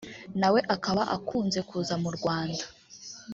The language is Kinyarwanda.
nawe akaba akunze kuza mu Rwanda